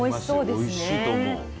おいしいと思う。